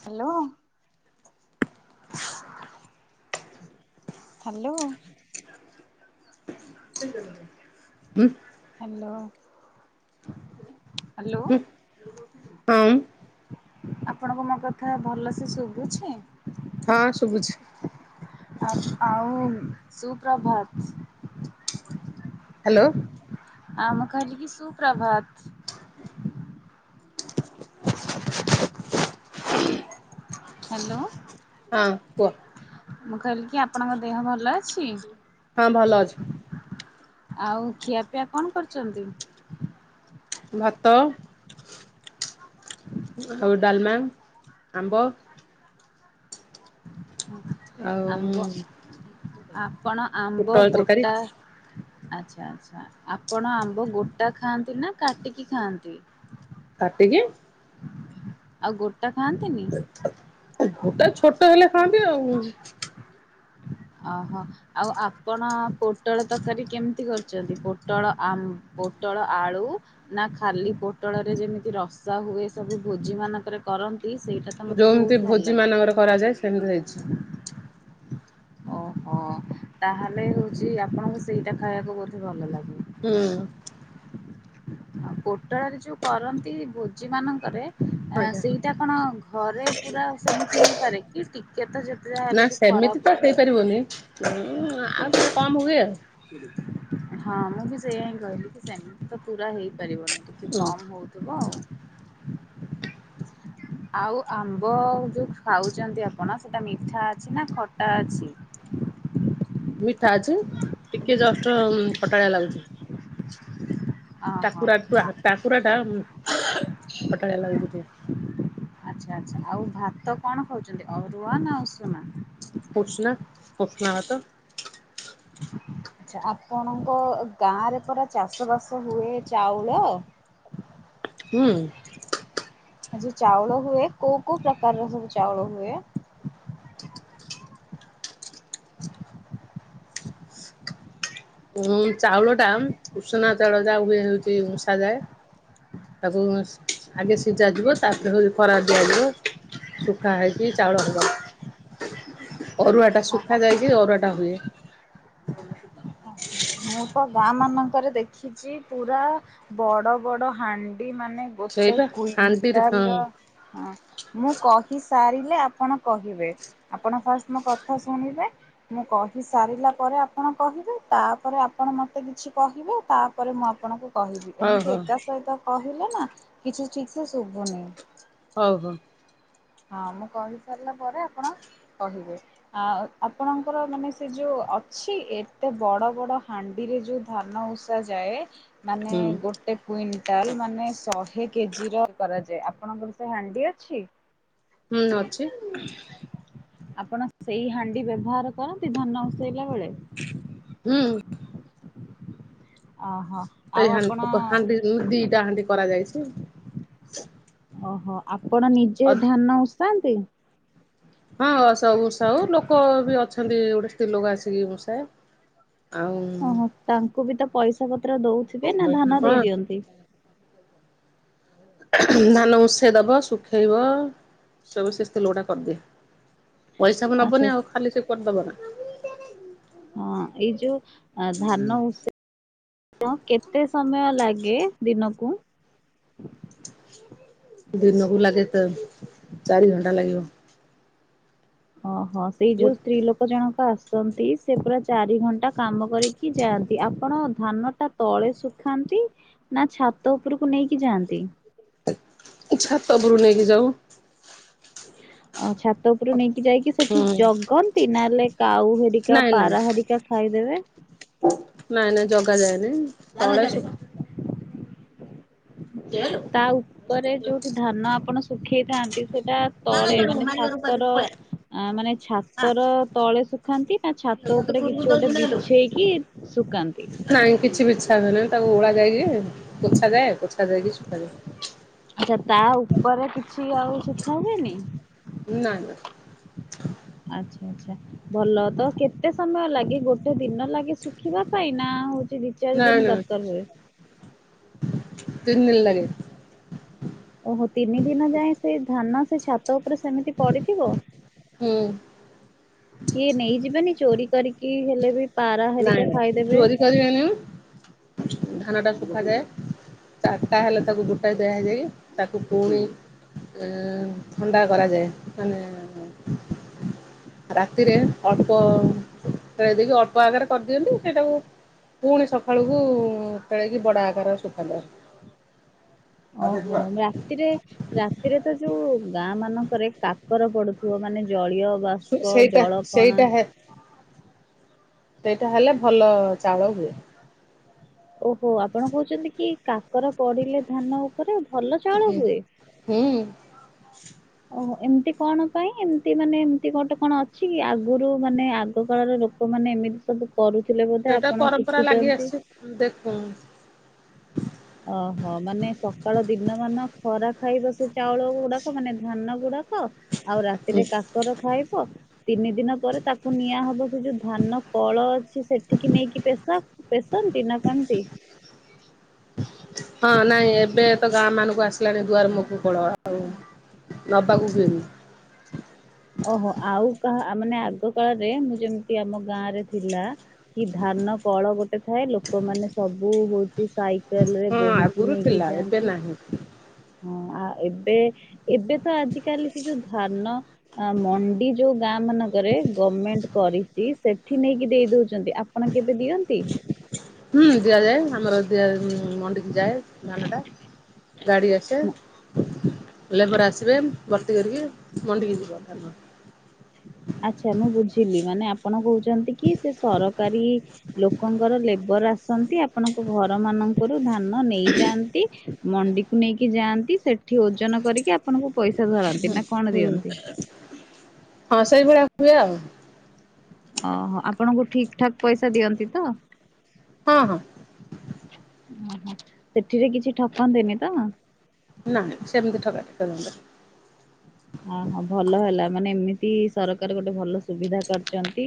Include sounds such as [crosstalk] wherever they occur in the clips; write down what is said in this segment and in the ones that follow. Hello. [inaudible] Hello. [inaudible] ଉଁ। Hello. ହୁଁ, ହମ୍। ଆପଣଙ୍କୁ ମୋ କଥା ଭଲ ସେ ଶୁଭୁଛିଁ? ହଁ, ଶୁଭୁଛି। ଆ-ଆଉ ସୁପ୍ରଭାତ। ହ୍ୟାଲୋ। ଆ ମୁଁ କହିଲି କି ସୁପ୍ରଭାତ। ହ୍ୟାଲୋ। ହଁ, କୁହ। ମୁଁ କହିଲି କି ଆପଣଙ୍କ ଦେହ ଭଲ ଅଛି? ହଁ, ଭଲ ଅଛି। ଆଉ ଖିଆପିଆ କଣ କରୁଚନ୍ତି? ଭାତ, ଆଉ ଡାଲମା, ଆମ୍ବ। ଆଉ ଆମ୍ବ, ଆପଣ ଆମ୍ବ ପୋଟଳ ତରକାରୀ ଗୋଟା ଆଚ୍ଛା, ଆଚ୍ଛା, ଆପଣ ଆମ୍ବ ଗୋ ଟା ଖାଆନ୍ତି ନା, କାଟିକି ଖାଆନ୍ତି? କାଟିକି ଆଉ ଗୋଟା ଖାଆନ୍ତିନି? ଘୋଟା ଛୋଟ ହେଲେ ଖାଆନ୍ତି ଆଉ। ଓହୋ! ଆଉ ଆପଣ ପୋଟଳ ତକାରୀ କେମିତି କରିଚନ୍ତି? ପୋଟଳ ଆମ୍ ପୋଟଳ ଆଳୁ ନା ଖାଲି ପୋଟଳରେ ଯେମିତି ରସା ହୁଏ, ସବୁ ଭୋଜି ମାନଙ୍କରେ କରନ୍ତ ଏ ସେଇଟା ତ ମତେ ଯୋଉମିତି ବହୁତ୍ ଭଲ ଭୋଜି ଲାଗେ। ମାନଙ୍କର କରାଯାଏ ସେମ୍ ଦି ହୋଇଛି। ଓହୋଁ, ତାହେଲେ ହଉଛି ଆପଣଙ୍କୁ ସେଇଟା ଖାଇବାକୁ ବୋଧେ, ଭଲ ଲାଗେ। ହୁଁ। [inaudible] ପୋଟଳରେ ଯୋଉ କରନ୍ତି ଭୋଜି ମାନଙ୍କରେ, ଏଁ ଆଜ୍ଞା ସେଇଟା କଣ ଘରେ ପୁରା ସେମିତି ହେଇପାରେ କି? ଟିକେ ତ ଯେତେ ଯାହା ହେଲେ ବି ଖରାପ। [unintelligible] କି ବନି, ଉଁ ଆଉ ଟିକେ କମ୍ ହୁଏ ଆଉ। ହଁ, ମୁଁ ବି ସେଇୟା ହିଁ କହିଲି, କି ସେମିତି ତ ପୁରା ହେଇପାରିବନି ଟିକେ ଉଁ କମ୍ ହଉ [inaudible] ଆଉ ଆମ୍ବ ଯୋଉ ଖାଉଚନ୍ତି ଆପଣ ସେଟା ମିଠା ଅଛିନା ଖଟା ଅଛି? ମିଠା ଅଛି ଟିକେ ଜଷ୍ଟ ଖଟାଳିଆ ଲାଗୁଚି। ଓହୋ ଟାକୁରା ଟୁଆ ଟାକୁରାଟା ଖଟାଳିଆ ଲାଗୁଚି ଟିକେ। ଆଚ୍ଛା ଆଚ୍ଛା ଆଉ ଭାତ କଣ ଖାଉଚନ୍ତି ଅରୁଆନା ଉଷୁନା? ଉସୁନା ଉସୁନା ଭାତ। [inaudible] ଆଚ୍ଛା ଆପଣଙ୍କ ଗାଁରେ ପରା ଚାଷ ବାସ ହୁଏ ଚାଉଳ? ହୁଁ। ଯୋଉ ଚାଉଳ ହୁଏ କୋଉ କୋଉ ପ୍ରକାରର ସବୁ ଚାଉଳ ହୁଏ? ଉଁ ଚାଉଳ ଟା ଉଷୁନା ଚାଉଳ ଯାହୁଏ ହଉଚି ଉଷା ଯାଏ। ତାକୁ ଆଗେ ସିଝ ଯିବ ତାପରେ ହଉ ଖରାରେ ଦିଆଯିବ। ଶୁଖା ହେଇକି ଚାଉଳ ହବ ଅରୁଆଟା ଓହୋ ଶୁଖା ଯାଇକି ଅରୁଆଟା ହୁଏ। ଆଚ୍ଛା [inaudible] ମୁଁ ତ ଗାଁ ମାନଙ୍କରେ ଦେଖିଛି ପୁରା ବଡ଼ ବଡ଼ ହାଣ୍ଡି ମାନେ ଗୋଟେ ସେଇପା ହାଣ୍ଡିରେ ହଁ କୁଇଣ୍ଟାଲର ଅଁ ମୁଁ କହି ସାରିଲେ ଆପଣ କହିବେ ଆପଣ ଫାଷ୍ଟ ମୋ କଥା ଶୁଣିବେ ମୁଁ କହି ସାରିଲା ପରେ ଆପଣ କହିବେ ତା ତାପରେ ଆପଣ ମତେ କିଛି କହିବେ ତାପରେ ମୁଁ ଆପଣଙ୍କୁ କହିବି ହଉ ଏମିତି ହଉ ଏକା ସହିତ କହିଲେନା କିଛି ଠିକସେ ଶୁବୁନି। ହଉ ହଉ। ହଁ ମୁଁ କହିସାରିଲା ପରେ ଆପଣ କହିବେ। ଆ ଆପଣଙ୍କର ମାନେ ସେଯୋଉ ଅଛି ଏତେ ବଡ଼ ବଡ଼ ହାଣ୍ଡିରେ ଯୋଉ ଧାନ ଉଷା ଯାଏ ମାନେ ହୁଁ। ଗୋଟେ କୁଇଣ୍ଟାଲ ମାନେ ଶ ହେ କେଜିର କରାଯାଏ ଆପଣଙ୍କର ସେହାଣ୍ଡି ଅଛି? ହୁଁ ଅଛି। ଆପଣ ସେଇ ହାଣ୍ଡି ବ୍ୟବହାର କରନ୍ତି ଧାନ ଓସେଇଲା ବେଳେ? ହୁଁ। ଓହୋ ଆଉ ଆପଣ ଉଁ ଦିଟା ହଣ୍ଡି କରାଯାଇଛି। ଓହୋ ଆପଣ ନିଜେ ଅ ଧାନ ଉସାନ୍ତି? ହଁ ଉଷାଉ ଲୋକବି ଅଛନ୍ତି ଗୋଟେ ସ୍ତ୍ରୀ ଲୋକ ଆସିକି ଉଷାଏ। ଆଉ ତାଙ୍କୁବିତ ପଇସା ପତ୍ର ଦଉଥିବେ ନାଧାନ ଦେଇ ହଁ ଦିଅନ୍ତି? ଧାନ ଉଷେଇ ଦବ ଶୁଖେଇବ ସବୁ ସେସ୍ତ୍ରୀ ଲୋକଟା କରିଦିଏ। ପଇସାବି ଆଚ୍ଛା ନବନି ଆଉ ଖାଲିସେ କରିଦବନା। ହଁ ଏଇ ଯୋଉ ଆଁ ଧାନ ଉଷା କେତେ ସମୟ ଲାଗେ ଦିନକୁ? ଦିନକୁ ଲାଗେ ତ ଚାରି ଘଣ୍ଟା ଲାଗିବ। ଓହୋ ସେଇ ଗୋ ଯୋଉ ସ୍ତ୍ରୀ ଲୋକ କ ଜଣକ ଆସନ୍ତି ସେପୁରା ଚାରି ଘଣ୍ଟା କାମ କରିକି ଯାଆନ୍ତି ଆପଣ ଧାନଟା ତଳେ ଶୁଖାନ୍ତି ନାଛାତ ଉପରକୁ ନେଇକି ଯାଆନ୍ତି? ଛାତ ଉପରକୁ ନେଇକି ଯାଉ। ଆଉ ଛାତ ତା ଉପରୁ ନେଇକି ଯାଇକି ହୁଁ ସେଠି ଜଗନ୍ତି ନହେଲେ କାଉ ହେରିକା ନାଇଁ ନାଇଁ ପାରା ହେରିକା ଖାଇଦେବେ? ନାଇଁ ନାଇଁ ଜଗା ଯାଏନାଇଁ [unintelligible] ତା ଉପରେ ଯୋଉଠି ଧାନ ଆପଣ ଶୁଖେଇଥାନ୍ତି ସେଟା ତଳେ ମାନେ ଛାତର ଅଁ ମାନେ ଛାତର ତଳେ ଶୁଖାନ୍ତି ନାଛାତ ଉପରେ କିଛି ଗୋଟେ ବିଛେଇକି ଶୁକାନ୍ତି? ନାଇଁ କିଛି ବିଚ୍ଛା ହୁଏ ନାହିଁ ତାକୁ ଓଳା ଯାଇକି ପୋଛା ଯାଏ ପୋଛା ଯାଇକି ସୁୁଖାଯାଏ। ଆଚ୍ଛା ତାଉପରେ କିଛି ଆଉ ଶୁଖା ହୁଏନି? ନା ନା। ଆଚ୍ଛା ଆଚ୍ଛା ଭଲ ତକେତେ ସମୟ ଲାଗେ ଗୋ ଗୋଟେ ଦିନ ଲାଗେ ଶୁଖିବା ପାଇଁ ନାହଉଚି ଦି ଚାରି ଦିନ୍ ଦରକାର୍ ହୁଏ? ତିନିଦିନି ଲାଗେ। ଓହୋ ତିନି ଦିନ ଯାଏ ସେଧାନ ସେଛାତ ଉପରେ ସେମିତି ପଡ଼ିଥିବ? ହୁଁ। କିଏ ନେଇଯିବେନି ଚୋରି କରିକି ହେଲେବି ପାରା ହରିକା ଖାଇଦେବେ? [unintelligible] ଧାନଟା ଶୁଖାଯାଏ। ଚାରିଟା ହେଲେ ତାକୁ ଗୋଟା ଦଆଯାଇ ତାକୁ ପୁଣି ଆ ଥଣ୍ଡା କରାଯାଏ ମାନେ ରାତିରେ ଅଳ୍ପ ଖେଳେଇ ଦେଇକି ଅଳ୍ପ ଆଗରେ କରିଦିଅନ୍ତି ସେଇଟାକୁ ପୁଣି ସକାଳକୁ ଖେଳେଇକି ବଡ଼ ଆକାରରେ ସୁଖାଯାଏ ଓହୋ ରାତିରେ ରାତିରେତ ଯୋଉ ଗାଁ ମାନଙ୍କରେ କାକର ପଡ଼ୁଥିବ ମାନେ ଜଳୀୟ ସେ ବାଷ୍ପ ସେଇଟା ଜଳ କଣା ସେଇଟା ହେ ସେଇଟା ହେଲେ ଭଲ ଚାଉଳ ହୁଏ। ଓହୋ ଆପଣ କହୁଚନ୍ତିକି କାକର ପଡ଼ିଲେ ଧାନ ଉପରେ ଭଲ ଚାଉଳ ହୁଁ ହୁଏ। ହୁଁ। ଓହୋ ଏମିତି କଣ ପାଇଁ ଏମିତି ମାନେ ଏମିତି ଗୋଟେ କଣ ଅଛିକି ଆଗରୁ ମାନେ ଆଗ କାଳର ଲୋ ଲୋକମାନେ ଏମିତି ସବୁ କରୁଥିଲେ ବୋଧେ ଆପଣ ଶିଖିଚନ୍ତି। ଦେଖ ଓହୋ ମାନେ ସକାଳ ଦିନ ମାନ ଖରା ଖାଇବ ସେଚାଉଳ ଗୁଡ଼ାକ ମାନେ ଧାନ ଗୁଡ଼ାକ ଆଉ ରାତିରେ କାକର ଖାଇବ ତିନି ଦିନ ପରେ ତାକୁ ନିଆହବ ସେଯୋଉ ଧାନ କଳ ଅଛି ସେଠିକି ନେଇକି ପେଶ ପେଶନ୍ତି ନା କେମିତି? ହଁ ନାଇଁ ଏବେତ ଗାଁ ମାନଙ୍କୁ ଆସିଲାଣି ଦୁଆର ମୁହକୁ କୋଳ ଆଉ ନବାକୁ ହୁଏନି। ଓହୋ ଆଉ କାହା ମାନେ ଆଗ କାଳରେ ମୁଁ ଯେମିତି ଆମ ଗାଁରେ ଥିଲା କି ଧାନ କଳ ଗୋଟେ ଥାଏ ଲୋକମାନେ ସବୁ ହୁ ସାଇକେଲରେ ହଁ ବୋହିକି ଆଗରୁ ନେଇକି ଥିଲା ଏବେ ଯାଆନ୍ତି ନାହିଁ। ହଁ ଆ ଏବେ ଏବେତ ଆ ଆଜି କାଲି ସେଯୋଉ ଧାନ ଅଁ ମଣ୍ଡି ଯୋଉ ଗାଁ ମାନ କରେ ଗମେଣ୍ଟ କରିଚି ସେଠି ନେଇକି ଦେଇ ଦଉଚନ୍ତି ଆପଣ କେବେ ଦିଅନ୍ତି? ହୁଁ ଦିଆଯାଏ ଆମର ଆ ମଣ୍ଡିିକି ଯାଏ ଧାନଟା ଗାଡ଼ି ଆସେ ଲେବର ଆସିବେ ଭର୍ତ୍ତି କରିକି ମଣ୍ଡିକି ଯିବ ଧାନ। ଆଚ୍ଛା ମୁଁ ବୁଝିଲି ମାନେ ଆପଣ କହୁଚନ୍ତିକି ସେ ସରକାରୀ ଲୋକଙ୍କର ଲେବର ଆସନ୍ତି ଆପଣଙ୍କ ଘର ମାନଙ୍କରୁ ଧାନ ନେଇଯାଆନ୍ତି ମଣ୍ଡିକୁ ନେଇକି ଯାଆନ୍ତି ସେଠି ଓଜନ କରିକି ଆପଣଙ୍କୁ ପଇସା ଧରନ୍ତି ନା କଣ ହୁଁ ଦିଅନ୍ତି? ହଁ ସେଇ ଭଳିଆ ହୁଏ ଆଉ। ଅ ହ ଆପଣଙ୍କୁ ଠିକ୍ ଠାକ୍ ପଇସା ଦିଅନ୍ତି ତ? ହଁ ହଁ। ଉଁ ହୁଁ ସେଥିରେ କିଛି ଠକନ୍ତିନି ତ। ନାଇ ସେମିତି ଠକା ଠକି କରନ୍ତିନି। ଅହୋ ଭଲ ହେଲା ମାନେ ଏମିତି ସରକାର ଗୋଟେ ଭଲ ସୁବିଧା କରଚନ୍ତି।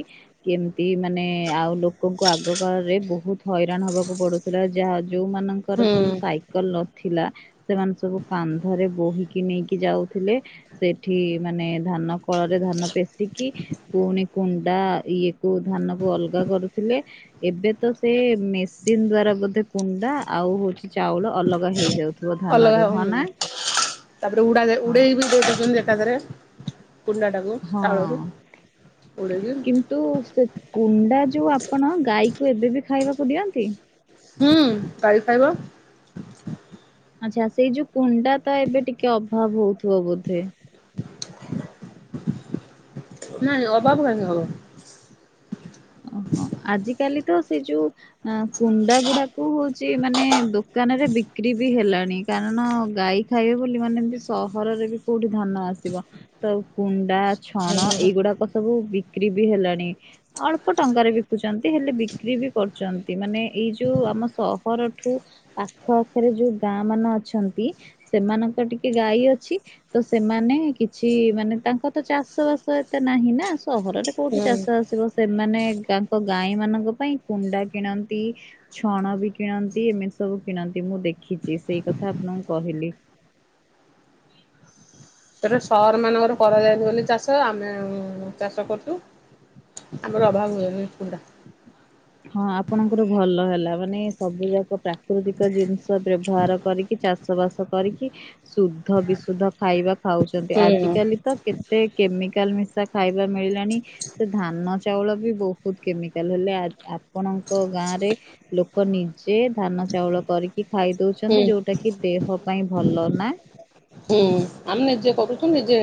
କେମତି ମାନେ ଆଉ ଲୋକଙ୍କୁ ଆଗ କାଳରେ ବହୁତ ହଇରାଣ ହବାକୁ ପଡୁଥିଲା ଯାହା ଯୋଉମାନଙ୍କ ର ହୁଁ ସବୁ ସାଇକେଲ ନଥିଲା ସେମାନେ ସବୁ କାନ୍ଧରେ ବୋହି କି ନେଇକି ଯାଉଥିଲେ ସେଠି ମାନେ ଧାନ କଳରେ ଧାନ ପେେଶିକି ପୁଣି କୁଣ୍ଡା ଇଏ କୁ ଧାନକୁ ଅଲଗା କରୁଥିଲେ। ଏବେ ତ ସେ ମେସିନ ଦ୍ଵାରା ବୋଧେ କୁଣ୍ଡା ଆଉ ହଉଛି। ଚାଉଳ ଅଲଗା ହେଇଯାଉଥିବ ଧାନ ଅଲଗା ରୁ ହୁଁ ହଁ ନା? ତାପରେ ଉଡା ହଁ ଉଡେଇବି ଦେଇଦଉଛନ୍ତି ଏକାଥରେ। କୁଣ୍ଡାଡାକୁ ଚାଉଳରୁ ଉଡେଇକି ତୁ ସେ କୁଣ୍ଡା ଯୋଉ ଆପଣ ଗାଈକୁ ଏବେ ବି ଖାଇବାକୁ ଦିଅନ୍ତି? ହୁଁ ଗାଈ ଖାଇବ। ଆଚ୍ଛା ସେଇ ଯୋଉ କୁଣ୍ଡା ତା ଏବେ ଟିକେ ଅଭାବ ହଉଥିବ ବୋଧେ। ନାଇଁ ଅଭାବ କାହିଁକି ହବ? ଓହୋ ଆଜିକାଲି ତ ସେ ଯୋଉ ଆ କୁଣ୍ଡା ଗୁଡାକୁ ହଉଛି ମାନେ ଦୋକାନରେ ବିକ୍ରି ବି ହେଲାଣି କାରଣ ଗାଈ ଖାଇବେ ବୋଲି ମାନେ ଏମତି ସହରରେ ବି କୋଉଠି ଧାନ ଆସିବ ତ କୁଣ୍ଡା ଛଣ ଏଇଗୁଡାକ ସବୁ ବିକ୍ରି ବି ହେଲାଣି ଆ ପ ଟଙ୍କାରେ ବିକୁଛନ୍ତି ହେଲେ ବିକ୍ରି ବି କରୁଛନ୍ତି ମାନେ ଏଇ ଯୋଉ ଆମ ସହରଠୁ ପାଖ ଆଖରେ ଯୋଉ ଗାଁ ମାନ ଅଛନ୍ତି। ସେମାନଙ୍କ ଟିକେ ଗାଈ ଅଛି ତ ସେମାନେ କିଛି ମାନେ ତାଙ୍କ ତ ଚାଷ ବାସ ଏତେ ନାହିଁ ନା। ସହରରେ କୋଉଠି ହୁଁ। ଚାଷ ଆସିବ। ମାନେ ତାଙ୍କ ଗାଈ ମାନଙ୍କ ପାଇଁ କୁଣ୍ଡା କିଣନ୍ତି। ଛଣ ବି କିଣନ୍ତି ଏମିତି ସବୁ କିଣନ୍ତି ମୁଁ ଦେଖିଚି ସେଇ କଥା ଆପଣଙ୍କୁ କହିଲି। ତାପରେ ସଅର ମାନଙ୍କର କରାଯାଏନି ବୋଲି ଚାଷ ଆମେ ଚାଷ କରୁଚୁ। ଆମର ଅଭାବ ହୁଏନି କୁଣ୍ଡା। ହଁ ଆପଣଙ୍କର ଭଲ ହେଲା ମାନେ ସବୁ ଯାକ ପ୍ରାକୃତିକ ଜିନିଷ ବ୍ୟବହାର କରି କି ଚାଷ ବାସ କରିକି ଶୁଦ୍ଧ ବିଶୁଦ୍ଧ ଖାଇବା ଖାଉଚନ୍ତି ହୁଁ ଆଜିକାଲି ତ କେ ତେ କେମିକାଲ ମିଶା ଖାଇବା ମିଳିଲାଣି ସେ ଧାନ ଚାଉଳ ବି ବହୁ ହୁତ୍ କେମିକାଲ ହେଲେ ଆପଣଙ୍କ ଗାଁରେ ଲୋ ଲୋକ ନିଜେ ଧାନ ଚାଉଳ କରିକି ଖାଇ ହୁଁ ଦଉଚନ୍ତି ଯୋଉଟା କି ଦେହ ପାଇଁ ଭଲ ନା। ହୁଁ ଆମେ ନିଜେ କରୁଚୁ ନିଜେ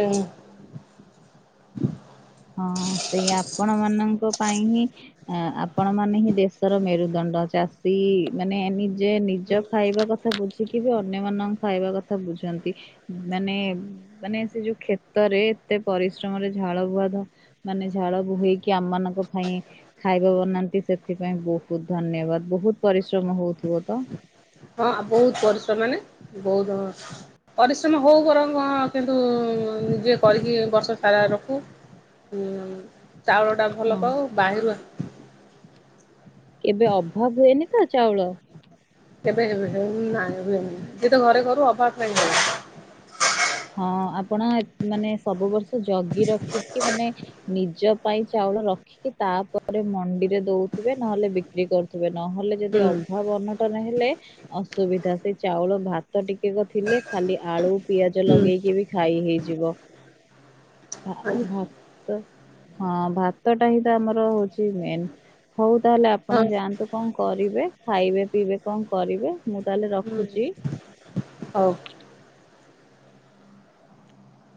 ହଁ ସେୟା ଆପଣ ମାନଙ୍କ ପାଇଁ ହିଁ ଅ ଆପଣ ମାନେ ହିଁ ଦେଶର ମେରୁଦଣ୍ଡ ଚାଷୀ ମାନେ ନିଜେ ନିଜ ଖାଇବା କଥା ବୁଝିକି ବି ଅନ୍ୟମାନାନଙ୍କ ଖାଇବା କଥା ବୁଝନ୍ତି ମାନେ ମାନେ ସେ ଯୋଉ କ୍ଷେତରେ ଏତେ ପରିଶ୍ରମରେ ଝାଳ ବୁଆ ଧ ମାନେ ଝାଳ ବୋହେଇକି ଆମମାନଙ୍କ ଫାଇଁ ଖାଇବା ବନାନ୍ତି ସେଥିପାଇଁ ବହୁତ୍ ଧନ୍ୟବାଦ ବହୁତ୍ ପରିଶ୍ରମ ହଉଥିବ ତ? ହଁ ବହୁତ୍ ପରିଶ୍ରମ ମାନେ ବହୁତ୍ ହଁ ପରିଶ୍ରମ ହଉ ବରଂ କିନ୍ତୁ ନିଜେ କରିକି ବର୍ଷ ସାରା ରଖୁ। ହୁଁ ଚାଉଳ ଟା ଭଲ ହଁ। ପାଉ ବାରିରୁ ଆ କେବେ ଅଭାବ୍ ହୁଏନି ତ ଚାଉଳ? କେବେ ହେ ନାଇଁ ହୁଏନି ସିଏତ ଘରେ କରୁ ଅଭାବ କାଇଁ ହେବ। ହଁ ଆପଣ ମାନେ ସବୁ ବର୍ଷ ଜଗି ରଖିକି ମାନେ ନିଜ ପାଇଁ ଚାଉଳ ରଖିକି ତାପରେ ମଣ୍ଡିରେ ଦଉଥିବେ ନହେଲେ ବିକ୍ରି କରୁଥିବେ ନହେଲେ ଯଦି ହୁଁ। ଅଭାବ ଅନଟନ ହେଲେ ଅସୁବିଧା ସେଇ ଚାଉଳ ଭାତ ଟିକେକ ଥିଲେ ଖାଲି ଆଳୁ ପିଆଜ ହୁଁ। ଲଗେଇକିବି ଖାଇ ହେଇଯିବ। ଆ ଭାତ ହଁ ଭାତଟା ହିଁ ତ ଆମର ହଉଚି ମେନ୍। ହଉ ତାହେଲେ ହଁ ଆପଣ ଯାଆନ୍ତୁ କଣ କରିବେ ଖାଇବେ ପିଇବେ କଣ କରିବେ ମୁଁ ତାହେଲେ ର ହୁଁ ହଉ। [inaudible]